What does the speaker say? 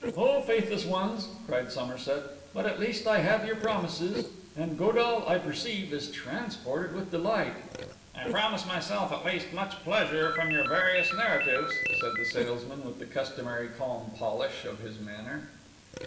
'O faithless ones!' cried Somerset. 'But at least I have your promises; and Godall, I perceive, is transported with delight.' 'I promise myself at least much pleasure from your various narratives,' said the salesman, with the customary calm polish of his manner.